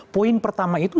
poin pertama itu